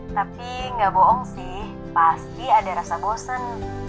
tapi nggak bohong sih pasti ada rasa bosan